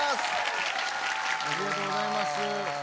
ありがとうございます